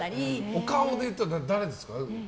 お顔でいうと誰ですか？